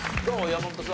山本さん。